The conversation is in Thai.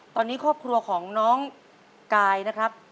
ตอนนี้ครอบครัวของน้องกายนะครับ